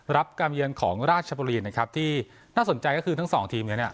รับการเยือนของราชบุรีนะครับที่น่าสนใจก็คือทั้งสองทีมเนี่ย